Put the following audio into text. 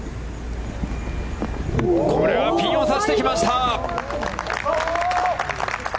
これはピンを差してきました。